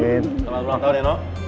selamat ulang tahun eno